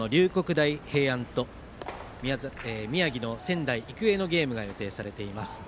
大平安と宮城の仙台育英のゲームが予定されています。